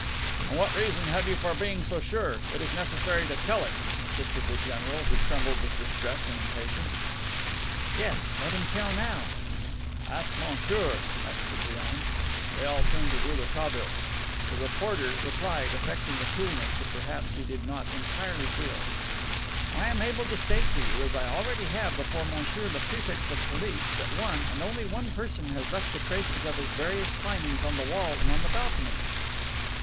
"And what reason have you for being so sure? It is necessary to tell it," insisted the general, who trembled with distress and impatience. "Yes, let him tell now." "Ask monsieur," said Koupriane. They all turned to Rouletabille. The reporter replied, affecting a coolness that perhaps he did not entirely feel: "I am able to state to you, as I already have before Monsieur the Prefect of Police, that one, and only one, person has left the traces of his various climbings on the wall and on the balcony."